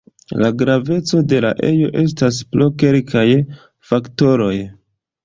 La graveco de la ejo estas pro kelkaj faktoroj.